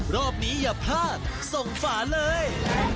รอบนี้อย่าพลาดส่งฝาเลย